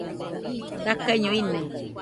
Dakaiño ine